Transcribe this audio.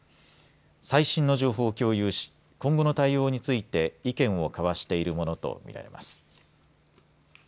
最新の情報を共有し今後の対応について意見を交わしているものと見られます。